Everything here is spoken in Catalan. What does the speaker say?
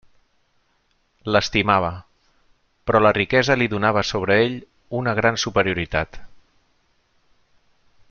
L'estimava; però la riquesa li donava sobre ell una gran superioritat.